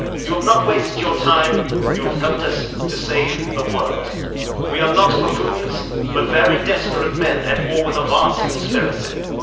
You have not wasted your time; you have helped to save the world. We are not buffoons, but very desperate men at war with a vast conspiracy.